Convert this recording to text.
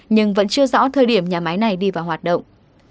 nhưng vẫn chưa rõ thời điểm nhà máy này đi vào hoạt động